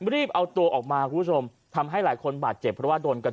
รีบเอาตัวออกมาคุณผู้ชมทำให้หลายคนบาดเจ็บเพราะว่าโดนกัน